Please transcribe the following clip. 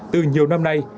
từ nhiều năm nay